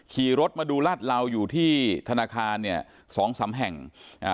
ขี่รถมาดูลาดเหลาอยู่ที่ธนาคารเนี่ยสองสามแห่งอ่า